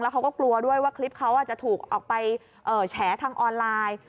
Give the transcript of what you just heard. เขาก็กลัวด้วยว่าคลิปเขาจะถูกออกไปแฉทางออนไลน์